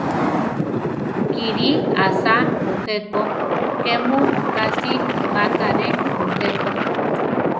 Kilí asá mujé ko; ke mu ka si maká rʼe mujé ko.